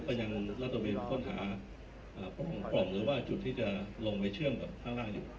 ก็ยังราตรวิทธิ์ค้นหาหรือว่าจุดที่จะลงไปเชื่องกับข้างล่างอยู่